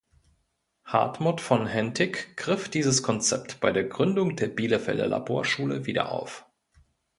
Hartmut von Hentig griff dieses Konzept bei der Gründung der Bielefelder Laborschule wieder auf.